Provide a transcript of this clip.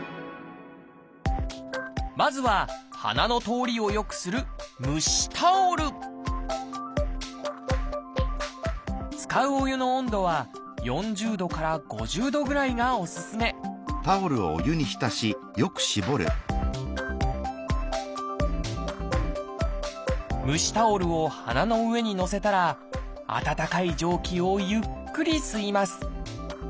まずは鼻の通りを良くする使うお湯の温度は４０度から５０度ぐらいがおすすめ蒸しタオルを鼻の上にのせたら温かい蒸気をゆっくり吸います。